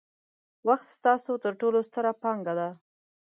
وخت ستاسو ترټولو ستره پانګه ده.